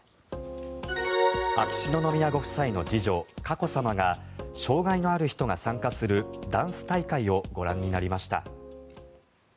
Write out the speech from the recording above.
秋篠宮ご夫妻の次女佳子さまが障害のある人が参加するダンス大会をご覧になりました。